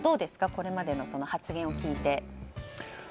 これまでの発言を聞いて。